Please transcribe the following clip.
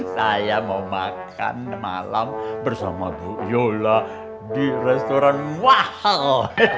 saya mau makan malam bersama bu yola di restoran wah